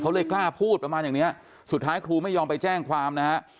เขาเลยกล้าพูดประมาณอย่างเนี้ยสุดท้ายครูไม่ยอมไปแจ้งความนะฮะ